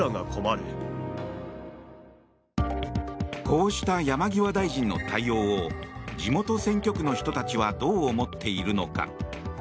こうした山際大臣の対応を地元選挙区の人たちはどう思っているのか。